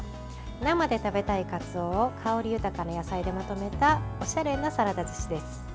生で食べたいかつおを香り豊かな野菜でまとめたおしゃれなサラダずしです。